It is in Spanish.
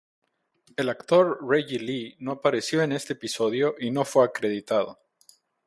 El actor Reggie Lee no apareció en este episodio y no fue acreditado.